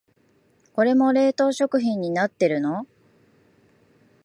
これも冷凍食品になってるの？